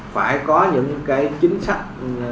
phải có những cái chính sách